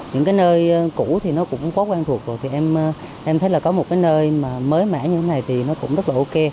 một nơi cũ cũng có quan thuộc rồi em thấy có một nơi mới mãi như thế này cũng rất là ok